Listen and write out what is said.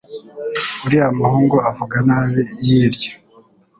uriya muhungu avuga nabi yirya